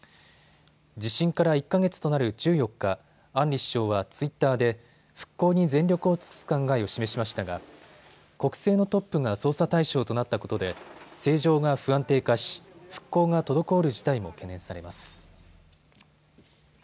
地震から１か月となる１４日、アンリ首相はツイッターで復興に全力を尽くす考えを示しましたが、国政のトップが捜査対象となったことで政情が不安定化し、復興が滞る事態も懸念されます。